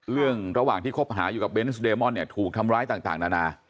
เรื่องระหว่างที่คบหาอยู่กับเบนส์เดมนน์ถูกทำร้ายต่างแลนา